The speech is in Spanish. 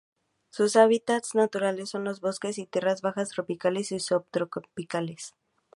Sus hábitats naturales son los bosques y tierras bajas tropicales y subtropicales.